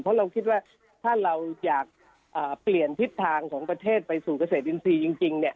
เพราะเราคิดว่าถ้าเราอยากเปลี่ยนทิศทางของประเทศไปสู่เกษตรอินทรีย์จริงเนี่ย